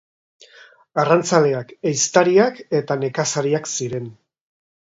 Arrantzaleak, ehiztariak eta nekazariak ziren.